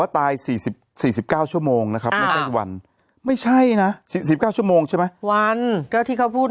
ตาย๔๙ชั่วโมงนะครับไม่ใช่วันไม่ใช่นะ๔๙ชั่วโมงใช่ไหมวันก็ที่เขาพูด